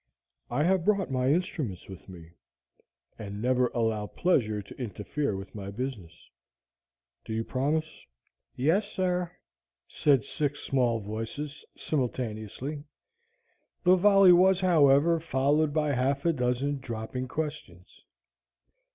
I have brought my instruments with me, and never allow pleasure to interfere with my business. Do you promise?" "Yes, sir," said six small voices, simultaneously. The volley was, however, followed by half a dozen dropping questions.